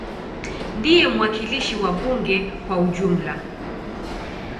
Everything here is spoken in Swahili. Ndiye mwakilishi wa bunge kwa ujumla.